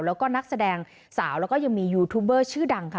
แล้วก็นักแสดงสาวแล้วก็ยังมียูทูบเบอร์ชื่อดังค่ะ